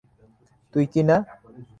তুই কি না?